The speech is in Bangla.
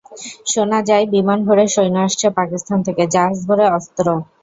শোনা যায়, বিমান ভরে সৈন্য আসছে পাকিস্তান থেকে, জাহাজ ভরে অস্ত্র।